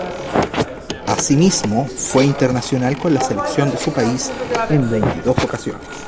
Asimismo, fue internacional con la selección de su país en veintidós ocasiones.